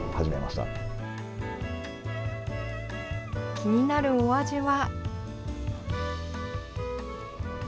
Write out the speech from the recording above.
気になるお味は。